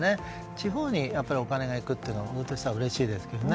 地方にお金がいくというのはうれしいですけどね。